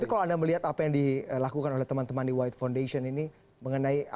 tapi kalau anda melihat apa yang dilakukan oleh teman teman di white foundation ini mengenai